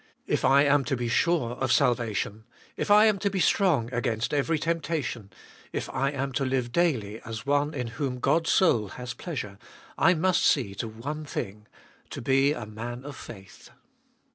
If I am to be sure of salvation, if I am to be strong against every temptation, if I am to live daily as one in whom God's soul has pleasure, I must see to one thing — to be a man of faith.